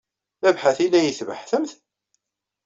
D abḥat ay la iyi-tbeḥḥtemt?